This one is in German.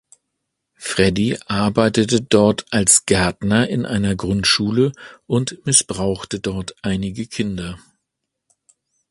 Freddy arbeitete dort als Gärtner in einer Grundschule und missbrauchte dort einige Kinder.